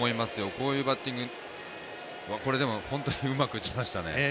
こういうバッティング、これでも、うまく打ちましたね。